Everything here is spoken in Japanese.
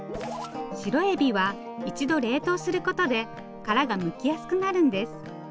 シロエビは一度冷凍することで殻がむきやすくなるんです。